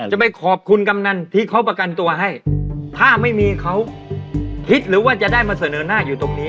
จะไปขอบคุณกำนันที่เขาประกันตัวให้ถ้าไม่มีเขาคิดหรือว่าจะได้มาเสนอหน้าอยู่ตรงนี้